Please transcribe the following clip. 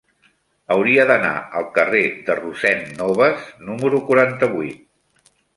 Hauria d'anar al carrer de Rossend Nobas número quaranta-vuit.